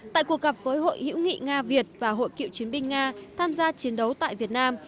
tại cuộc gặp với hội hữu nghị nga việt và hội cựu chiến binh nga tham gia chiến đấu tại việt nam